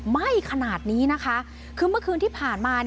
ไหม้ขนาดนี้นะคะคือเมื่อคืนที่ผ่านมา